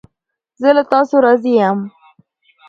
زه له تاسو راضی یم